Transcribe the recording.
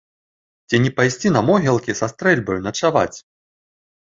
Ці не пайсці на могілкі са стрэльбаю начаваць?